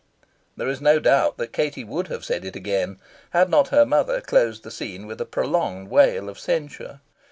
There is no doubt that Katie would have said it again, had not her mother closed the scene with a prolonged wail of censure.